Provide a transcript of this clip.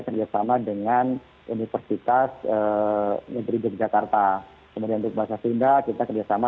kerjasama dengan universitas negeri yogyakarta kemudian untuk bahasa sunda kita kerjasama